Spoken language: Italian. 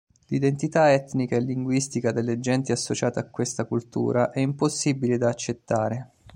L'identità etnica e linguistica delle genti associate a questa cultura è impossibile da accertare.